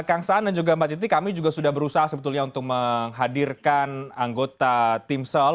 kang saan dan juga mbak titi kami juga sudah berusaha sebetulnya untuk menghadirkan anggota timsel